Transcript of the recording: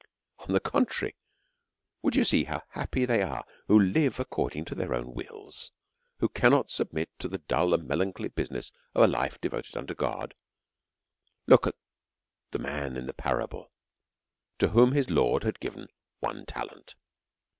On tlie contrary, would you see how happy they are who live according to their own wills, who cannot sub mit to the dull and melancholy business of a life de voted unto God, look at the man in the parable, to whom his Lord had given one talent.